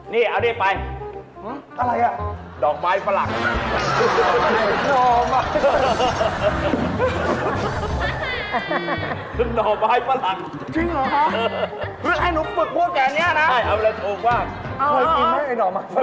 นี่เอ้าด้วยไป